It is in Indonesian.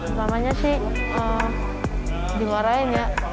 pernah pernahannya sih dimarahin ya